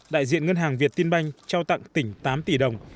đại diện ngân hàng việt tiên banh trao tặng tỉnh tám tỷ đồng